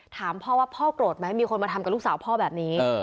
ถามพ่อว่าพ่อโกรธไหมมีคนมาทำกับลูกสาวพ่อแบบนี้